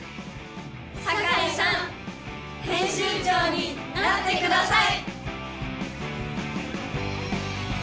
境さん編集長になってください！